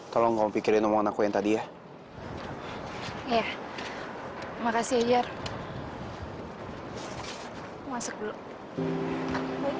tolong kompikirin omongan aku yang tadi ya ya makasih ya hai masuk dulu